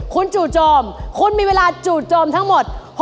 คุณจู่โจมคุณมีเวลาจู่โจมทั้งหมด